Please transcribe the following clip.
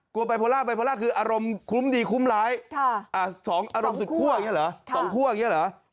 กลัวไบโพล่าไบโพล่าคืออารมณ์คุ้มดีคุ้มร้ายอารมณ์สุดคั่วอย่างเนี่ยเหรอ